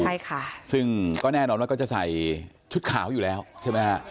ใช่ค่ะซึ่งก็แน่นอนว่าก็จะใส่ชุดขาวอยู่แล้วใช่ไหมฮะ